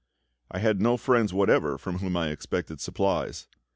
I had no friends whatever from whom I expected supplies.